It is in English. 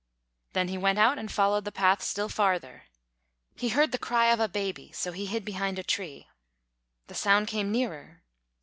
Then he went out and followed the path still farther. He heard the cry of a baby, so he hid behind a tree. The sound came nearer.